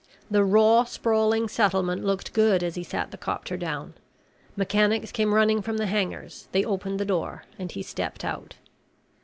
The raw sprawling settlement looked good as he sat the copter down. Mechanics came running from the hangars. They opened the door and he stepped out.